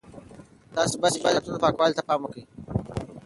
تاسي باید د جوماتونو پاکوالي ته پام وکړئ.